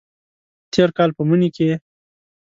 تیر کال په مني کې